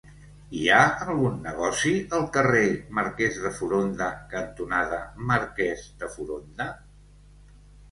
Hi ha algun negoci al carrer Marquès de Foronda cantonada Marquès de Foronda?